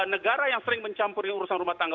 negara yang sering mencampuri urusan rumah tangga